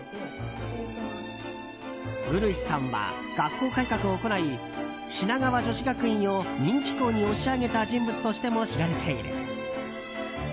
漆さんは学校改革を行い品川女子学院を人気校に押し上げた人物としても知られている。